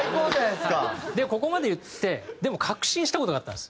でここまで言ってでも確信した事があったんです。